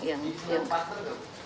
bisa pakai partner gak